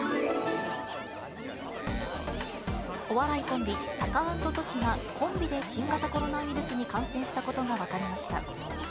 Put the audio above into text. お笑いコンビ、タカアンドトシがコンビで新型コロナウイルスに感染したことが分かりました。